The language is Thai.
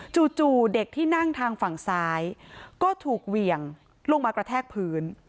จู่เด็กที่นั่งทางฝั่งซ้ายก็ถูกเหวี่ยงลงมากระแทกพื้น